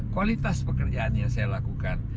kualitas pekerjaan yang saya lakukan